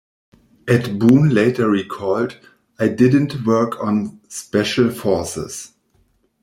Ed Boon later recalled: "I didn't work on "Special Forces".